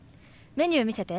メニュー見せて。